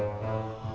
tidak ada apa apa